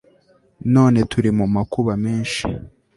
none turi mu makuba menshi